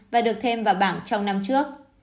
và được thêm vào bảng trong năm trước